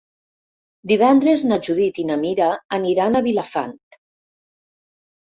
Divendres na Judit i na Mira aniran a Vilafant.